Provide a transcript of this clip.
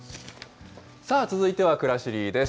さあ、続いてはくらしりです。